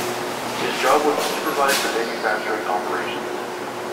His job was to supervise the manufacturing operations.